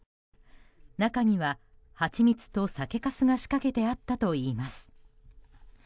中にはハチミツと酒かすが仕掛けてあったといいます。